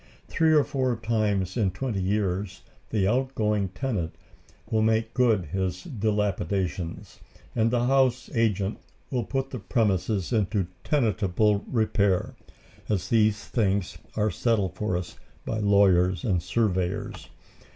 Three or four times in twenty years the outgoing tenant will make good his dilapidations, and the house agent will put the premises into tenantable repair as these things are settled for us by lawyers and surveyors.